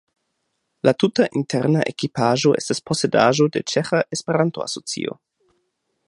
La tuta interna ekipaĵo estas posedaĵo de Ĉeĥa Esperanto-Asocio.